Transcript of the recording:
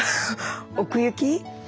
奥行き？